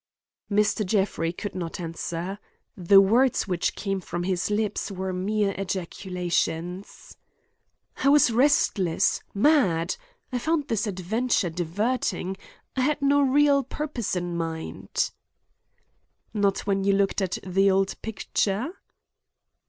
Mr. Jeffrey could not answer. The words which came from his lips were mere ejaculations. "I was restless—mad—I found this adventure diverting. I had no real purpose in mind." "Not when you looked at the old picture?"